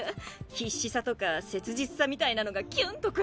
必死さとか切実さみたいなのがキュンとくるんだよ。